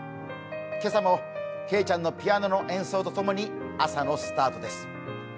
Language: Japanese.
今朝もけいちゃんのピアノの演奏と共に朝のスタートです。